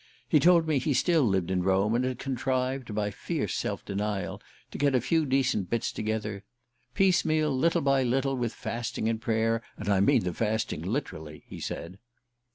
He told me he still lived in Rome, and had contrived, by fierce self denial, to get a few decent bits together "piecemeal, little by little, with fasting and prayer; and I mean the fasting literally!" he said.